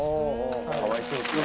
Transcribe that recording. かわいそうですよね。